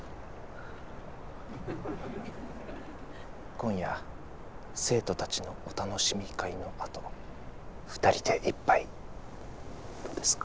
今夜生徒たちのお楽しみ会のあと２人で一杯どうですか？